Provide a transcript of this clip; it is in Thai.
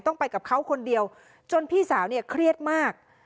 ต้องไปกับเขาคนเดียวจนพี่สาวเนี่ยเครียดมาก